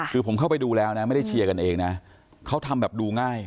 คือผมเข้าไปดูแล้วนะไม่ได้เชียร์กันเองนะเขาทำแบบดูง่าย